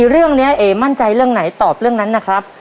เรื่องนี้เอ๋มั่นใจเรื่องไหนตอบเรื่องนั้นนะครับ